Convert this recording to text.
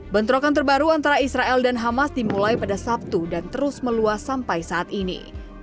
bentrokan terbaru antara israel dan hamas dimulai pada sabtu dan terus meluas sampai saat ini